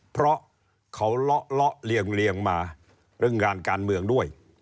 เพราะเขาเลาะเลาะเลี่ยงเลี่ยงมาเรื่องการการเมืองด้วย